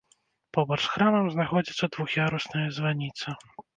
Побач з храмам знаходзіцца двух'ярусная званіца.